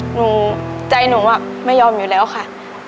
หนูใจหนูไม่ยอมอยู่แล้วค่ะ